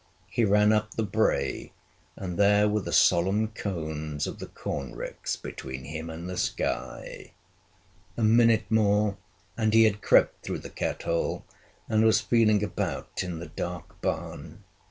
He ran up the brae, and there were the solemn cones of the corn ricks between him and the sky! A minute more and he had crept through the cat hole, and was feeling about in the dark barn.